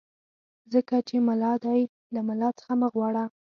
ځکه چې ملا دی له ملا څخه څه مه غواړه.